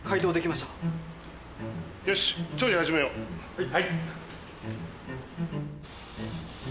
はい。